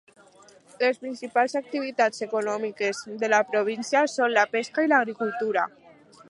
Les principals activitats econòmiques de la província són la pesca i l'agricultura.